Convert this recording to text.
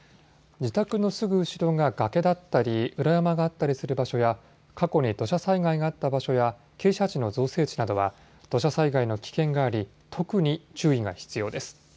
自宅のすぐ後ろが崖だったり裏山があったりする場所や過去に土砂災害があった場所や傾斜地の造成地などは土砂災害の危険があり特に注意が必要です。